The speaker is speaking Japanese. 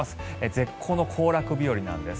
絶好の行楽日和なんです。